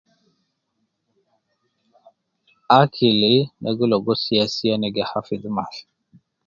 Akili ne gi logo sia sia ne gi hafidh maf